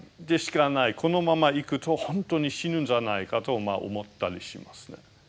このままいくと本当に死ぬんじゃないかと思ったりしますね。